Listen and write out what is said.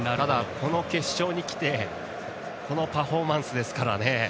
ただ、この決勝でこのパフォーマンスですからね。